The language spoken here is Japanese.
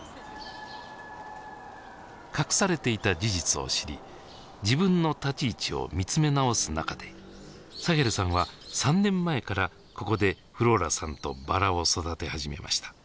隠されていた事実を知り自分の立ち位置を見つめ直す中でサヘルさんは３年前からここでフローラさんと薔薇を育て始めました。